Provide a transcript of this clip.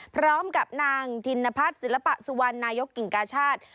พร้อมกับนางธินพัฒน์ศิลปะสุวรรณนายกกิ่งกาชาติ